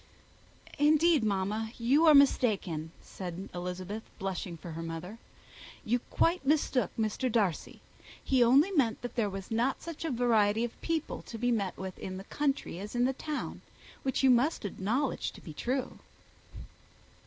"Indeed, mamma, you are mistaken," said Elizabeth, blushing for her mother. "You quite mistook Mr. Darcy. He only meant that there was not such a variety of people to be met with in the country as in town, which you must acknowledge to be true."